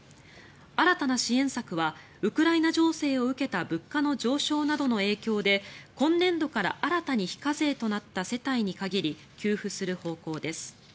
新たな支援策はウクライナ情勢を受けた物価の上昇などの影響で今年度から新たに非課税となった世帯に限り給付する方向です。